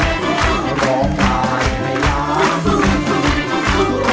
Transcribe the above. ได้ครับ